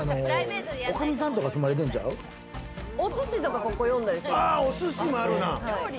おすしとか、ここ読んだりする。